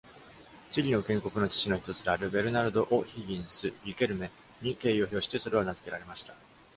チリの建国の父の一つである Bernardo O'Higgins Riquelme に敬意を表してそれは名付けられました。